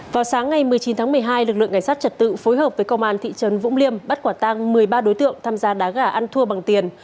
vào sáng ngày một mươi chín tháng một mươi hai lực lượng cảnh sát trật tự phối hợp với công an thị trấn vũng liêm bắt quả tang một mươi ba đối tượng tham gia đá gà ăn thua bằng tiền